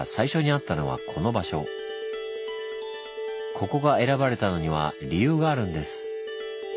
ここが選ばれたのには理由があるんです。